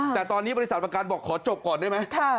แต่ตอนนี้บริษัทประกันบอกขอจบก่อนได้ไหม